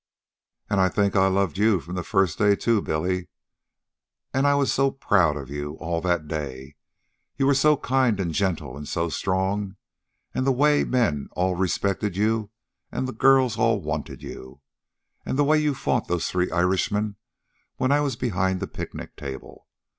"And I think I loved you from that first day, too, Billy. And I was so proud of you all that day, you were so kind and gentle, and so strong, and the way the men all respected you and the girls all wanted you, and the way you fought those three Irishmen when I was behind the picnic table.